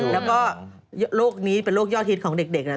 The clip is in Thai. แล้วก็โรคนี้เป็นโรคยอดฮิตของเด็กนะ